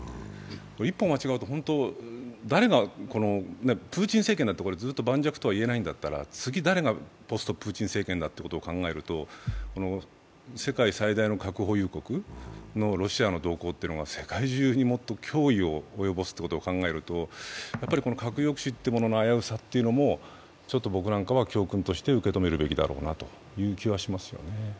一歩間違うと、本当、誰がプーチン政権だってずっと盤石だというわけではない中で次、誰がポスト・プーチン政権だということを考えると、世界最大の核保有国のロシアの動向というのが世界中にもっと脅威を及ぼすということを考えると核抑止っていうものの危うさも僕なんかも教訓として受け止めべきなんだろうないう気がしますよね。